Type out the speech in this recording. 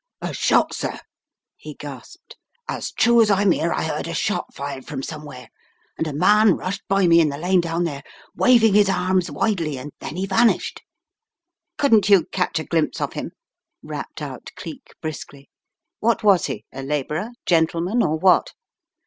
"A shot, sir," he gasped. "As true as Fm 'ere, I heard a shot fired from somewhere, and a man rushed by me in the lane down there, waving his arms wildly, and then 9 e vanished." "Couldn't you catch a glimpse of him?" rapped out Cleek briskly. " What was he, a labourer, gentle man, or what?"